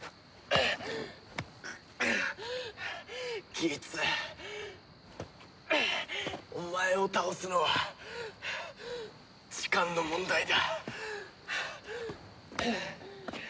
ギーツお前を倒すのは時間の問題だ！